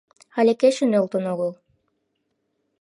Але кече нӧлтын огыл.